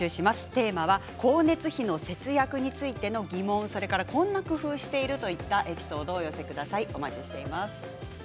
テーマは光熱費の節約についての疑問工夫しているといったエピソードをお寄せください。